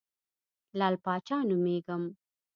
لعل پاچا نومېږم.